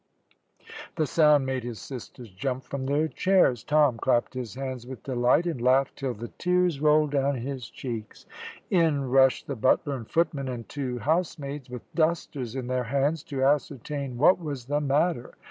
The sound made his sisters jump from their chairs. Tom clapped his hands with delight, and laughed till the tears rolled down his cheeks. In rushed the butler and footman and two housemaids, with dusters in their hands, to ascertain what was the matter.